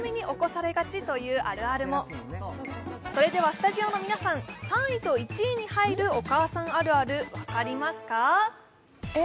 スタジオの皆さん３位と１位に入る「お母さんあるある」、分かりますか？